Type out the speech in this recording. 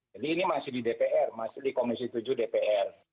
ini masih di dpr masih di komisi tujuh dpr